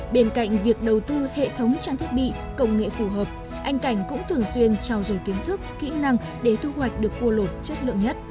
bên cạnh việc đầu tư hệ thống trang thiết bị công nghệ phù hợp anh cảnh cũng thường xuyên trao dồi kiến thức kỹ năng để thu hoạch được cua lột chất lượng nhất